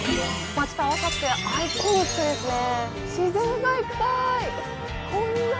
街と合わさってアイコニックですね。